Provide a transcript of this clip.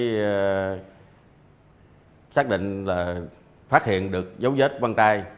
có xác định là phát hiện được dấu vết con trai